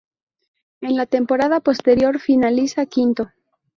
En la temporada posterior finaliza quinto.